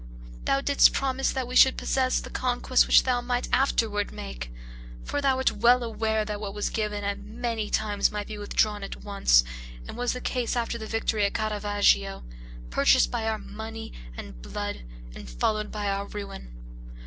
Thou didst promise that we should possess the conquests which thou might afterward make; for thou wert well aware that what was given at many times might be withdrawn at once, as was the case after the victory at Caravaggio, purchased by our money and blood, and followed by our ruin.